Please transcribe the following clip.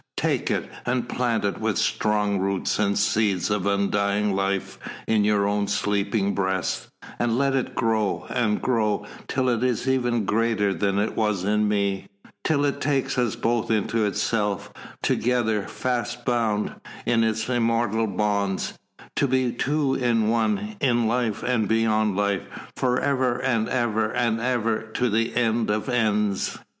Take it, and plant it with strong roots and seeds of undying life in your own sleeping breast, and let it grow, and grow, till it is even greater than it was in me, till it takes us both into itself, together, fast bound in its immortal bonds, to be two in one, in life and beyond life, for ever and ever and ever to the end of ends!"